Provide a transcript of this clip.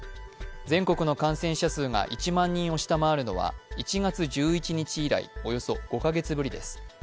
全国の感染者数が１万人を下回るのは１月１１日以来およそ５カ月ぶりです。